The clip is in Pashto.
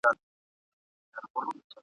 له څپو څخه د امن و بېړۍ ته !.